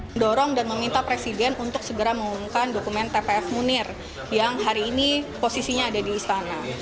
mendorong dan meminta presiden untuk segera mengumumkan dokumen tpf munir yang hari ini posisinya ada di istana